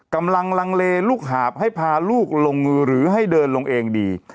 กำลังลังเลลูกหาบให้พาลูกลงมือหรือให้เดินลงเองดี